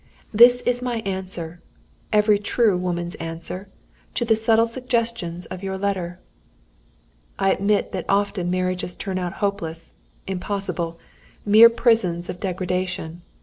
"This is my answer every true woman's answer to the subtle suggestions of your letter. "I admit that often marriages turn out hopeless impossible; mere prisons of degradation.